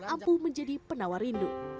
ampuh menjadi penawar rindu